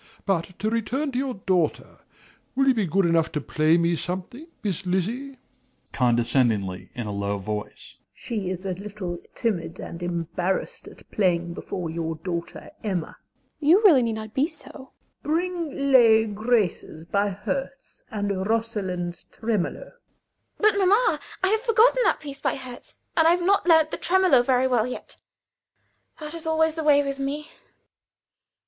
But to return to your daughter. Will you be good enough to play me something, Miss Lizzie? MRS. S. (condescendingly, in a low voice). She is a little timid and embarrassed at playing before your daughter Emma. EMMA. You really need not be so. MRS. S. Bring "Les Graces" by Herz, and Rosellen's "Tremolo." LIZZIE. But, mamma, I have forgotten that piece by Herz, and I have not learned the "Tremolo" very well yet. That is always the way with me.